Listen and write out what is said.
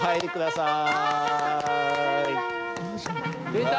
出た！